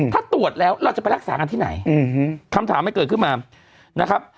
ถ้าตรวจแล้วเราจะไปรักษากันที่ไหนคำถามมันเกิดขึ้นมานะครับ